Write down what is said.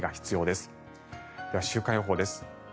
では、週間予報です。